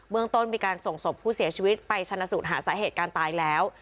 เมืองต้นมีการส่งศพผู้เสียชีวิตไปชนะสูตรหาสาเหตุการตายแล้ว